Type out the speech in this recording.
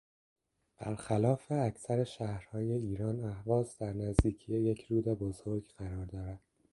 برخلاف اکثرشهرهای ایران اهواز در نزدیکی یک رود بزرگ قرار دارد.